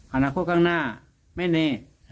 อนาคตข้างหน้าไม่แน่